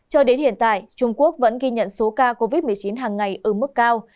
cho đến hiện tại trung quốc vẫn ghi nhận số ca covid một mươi chín hàng ngày ở mức cao